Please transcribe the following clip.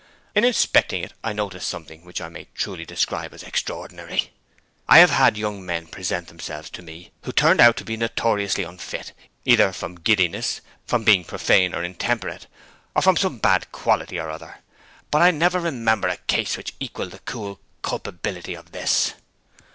'In inspecting it I noticed something which I may truly describe as extraordinary. I have had young men present themselves to me who turned out to be notoriously unfit, either from giddiness, from being profane or intemperate, or from some bad quality or other. But I never remember a case which equalled the cool culpability of this.